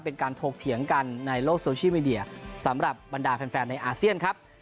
ถกเถียงกันในโลกโซเชียลมีเดียสำหรับบรรดาแฟนในอาเซียนครับ